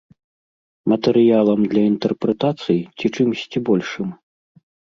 Матэрыялам для інтэрпрэтацый ці чымсьці большым?